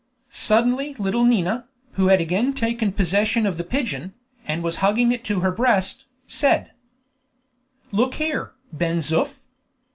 Suddenly little Nina, who had again taken possession of the pigeon, and was hugging it to her breast, said: "Look here, Ben Zoof!"